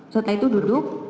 setelah itu duduk